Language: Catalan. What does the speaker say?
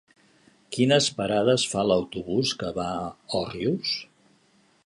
Quines parades fa l'autobús que va a Òrrius?